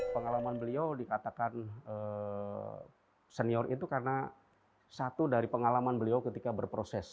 pengalaman beliau dikatakan senior itu karena satu dari pengalaman beliau ketika berproses